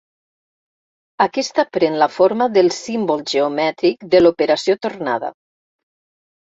Aquesta pren la forma del símbol geomètric de l'operació tornada.